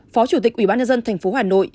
phó chủ tịch ủy ban nhân dân tp hà nội